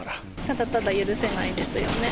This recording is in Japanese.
ただただ許せないですよね。